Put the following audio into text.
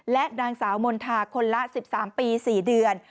และนางสาวมณฑาคนละ๑๓ปี๔เดือน